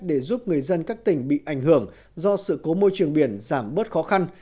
để giúp người dân các tỉnh bị ảnh hưởng do sự cố môi trường biển giảm bớt khó khăn